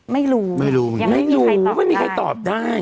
ไม่รู้ยังไม่มีใครตอบได้